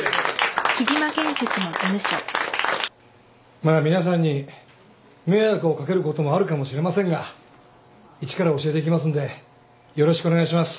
まあ皆さんに迷惑を掛けることもあるかもしれませんが一から教えていきますんでよろしくお願いします。